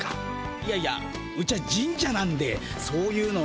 いやいやうちは神社なんでそういうのは。